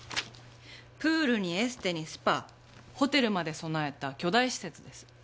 プールにエステにスパホテルまで備えた巨大施設です。